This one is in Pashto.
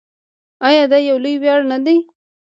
آیا دا یو لوی ویاړ نه دی؟